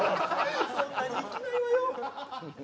そんなに生きないわよ